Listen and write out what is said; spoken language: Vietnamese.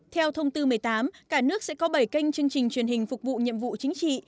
theo thông tư một mươi tám cả nước sẽ có bảy kênh chương trình truyền hình phục vụ nhiệm vụ chính trị